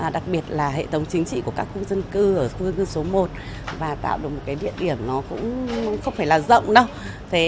đặc biệt là hệ thống chính trị của các khu dân cư ở khu dân cư số một và tạo được một địa điểm nó cũng không phải là rộng đâu